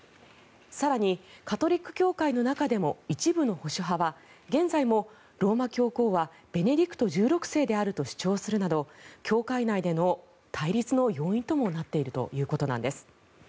更に、カトリック教会の中でも一部の保守派は現在もローマ教皇はベネディクト１６世であると主張するなど教会内での対立の要因ともなっているということなんです。